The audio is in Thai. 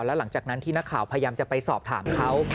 แล้วหลังจากนั้นที่นักข่าวพยายามจะไปสอบถามเขา